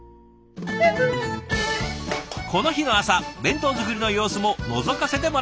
この日の朝弁当作りの様子ものぞかせてもらいました。